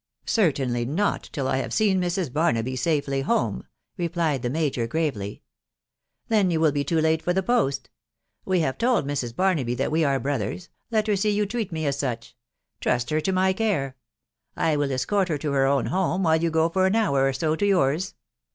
" Certainly not till I have seen Mrs. Barnaby safely home/ replied the major gravely. " Then you will be too late for the post ••. We have told Mrs. Barnaby that we are brothers .... let her see you treat me as such .... Trust her to my care ; I will escort her to her own home while you go for an hour or so to yours.